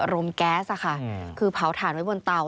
มแก๊สคือเผาถ่านไว้บนเตา